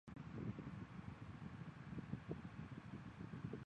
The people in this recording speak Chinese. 分子中含有多个乙烯氧基结构单元的大环醚称为冠醚。